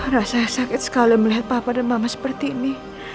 rasa sakit sekali melihat papa dan mama seperti ini